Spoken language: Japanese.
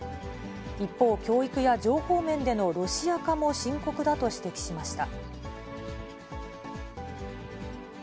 一方、教育や情報面でのロシア化も深刻だと指摘しました。